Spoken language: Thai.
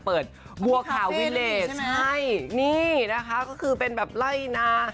บัวขาววิเลสใช่นี่นะคะก็คือเป็นแบบไล่นา